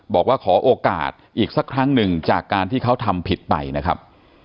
บอกว่าขอโอกาสอีกสักครั้งหนึ่งจากการที่เขาทำผิดไปนะครับ